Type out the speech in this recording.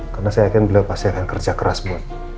karena saya yakin beliau pasti akan kerja keras buat